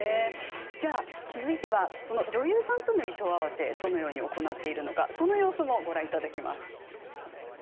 続いては女優さんとの衣装合わせどのように行っているのかその様子も、ご覧いただきます。